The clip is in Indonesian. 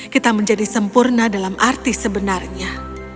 kita menjadi sempurna dalam arti sebenarnya